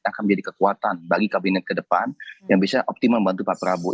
akan menjadi kekuatan bagi kabinet ke depan yang bisa optimal membantu pak prabowo